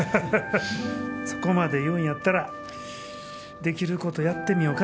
そこまで言うんやったらできることやってみよか。